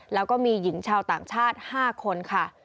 แล้วก็มีหญิงชาวต่างชาติ๕คนค่ะ